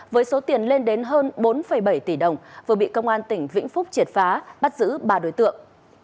với số tiền lên đến hơn bốn bảy tỷ đồng vừa bị công an tp hcm triệt phá bắt giữ ba đối tượng